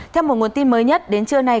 theo một nguồn tin mới nhất đến trưa nay